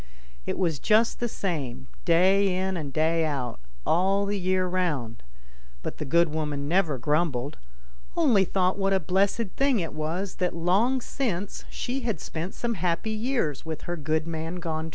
It was just the same, day in and day out all the year round ; but the good woman never grumbled, only thought what a blessed thing it was that long since she had spent some happy years with her good man gone